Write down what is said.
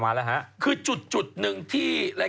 ปลาหมึกแท้เต่าทองอร่อยทั้งชนิดเส้นบดเต็มตัว